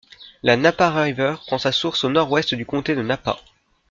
La Napa River prend sa source au nord-ouest du comté de Napa.